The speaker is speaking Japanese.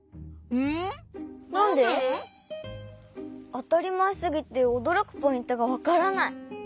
あたりまえすぎておどろくポイントがわからない。